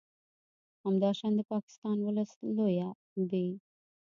همداشان د پاکستان ولس لویه ب